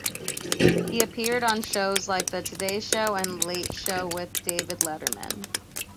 He appeared on shows like "The Today Show" and "Late Show with David Letterman".